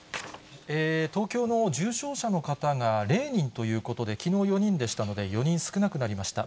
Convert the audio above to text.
東京の重症者の方が０人ということで、きのう４人でしたので、４人少なくなりました。